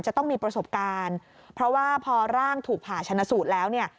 จะต้องมีประสบการณ์เพราะว่าพอร่างถูกผ่าชนะสูตรแล้วเนี่ย